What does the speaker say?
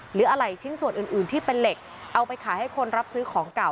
หรืออะไรชิ้นส่วนอื่นที่เป็นเหล็กเอาไปขายให้คนรับซื้อของเก่า